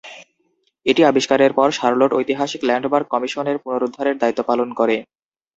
এটি আবিষ্কারের পর, শার্লট ঐতিহাসিক ল্যান্ডমার্ক কমিশন এর পুনরুদ্ধারের দায়িত্ব পালন করে।